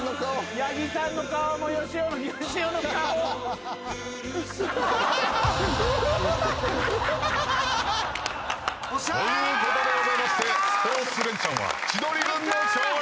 八木さんの顔もよしおの顔！ということでございましてスポーツレンチャンは千鳥軍の勝利！